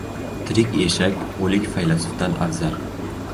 • Tirik eshak o‘lik faylasufdan afzal.